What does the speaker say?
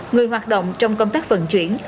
người hoạt động trong công tác phần chuyển